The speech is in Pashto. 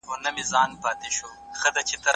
نه نه خوشي ټوکه نه ده غني لږ ورته دمه شه